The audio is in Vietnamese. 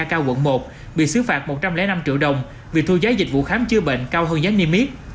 cao quận một bị xứ phạt một trăm linh năm triệu đồng vì thu giấy dịch vụ khám chữa bệnh cao hơn giá niêm yết